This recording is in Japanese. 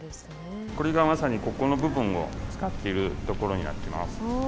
これがまさにここの部分を使っている所になっています。